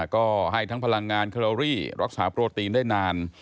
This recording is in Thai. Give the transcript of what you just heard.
ก็ให้ทั้งพลังงานแคลอรี่รักษาโปรตีนได้นาน